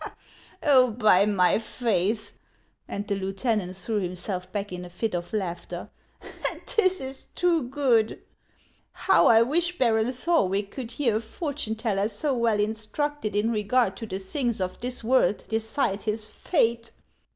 " Oh, by my faith !"— and the lieutenant threw himself back in a fit of laughter, —" this is too good ! How I wish Baron Thorwick could hear a fortune teller so well instructed in regard to the things of this world decide his fate.